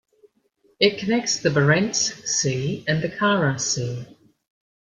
It connects the Barents Sea and the Kara Sea.